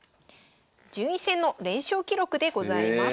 順位戦の連勝記録でございます。